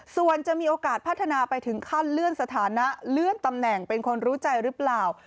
ส่วนจะมีโอกาสพัฒนาไปถึงขั้นเลื่อนสถานะเลื่อนตำแหน่งเป็นคนรู้ใจหรือเปล่า